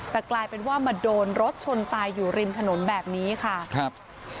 แต่กลายเป็นว่ามาโดนรถชนตายอยู่ริมถนนแบบนี้ค่ะครับ